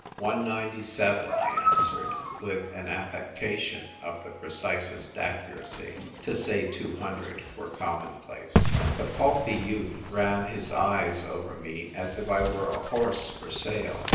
" One ninety seven," I an swered with an affectation of the precisest accuracy. To say "Two hundred " were com monplace. The pulpy youth ran his eyes over me as if I were a horse for sale.